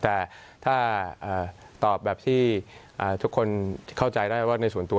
แต่ถ้าตอบแบบที่ทุกคนเข้าใจได้ว่าในส่วนตัว